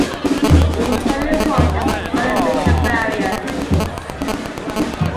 Interior walls are only visual barriers.